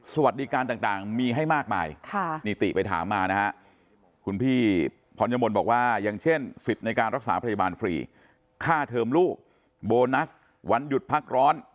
สวัสดีการต่างมีให้มากมายนิติไปถามมานะฮะคุณพี่พรยมนต์บอกว่าอย่างเช่นสิทธิ์ในการรักษาพยาบาลฟรีค่าเทอมลูกโบนัสวันหยุดพักร้อน